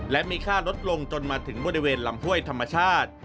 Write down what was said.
และมีค่าลดลงจนมาถึงบริเวณลำห้วยธรรมชาติ